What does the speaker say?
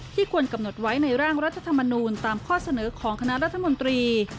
ควรกำหนดไว้ในร่างรัฐธรรมนูลตามข้อเสนอของคณะรัฐมนตรี